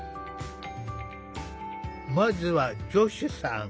まずはジョシュさん。